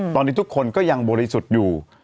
ตอนนี้ทุกคนก็ยังบริสุทธิ์อยู่